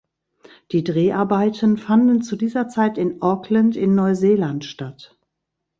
Die Dreharbeiten fanden zu dieser Zeit in Auckland in Neuseeland statt.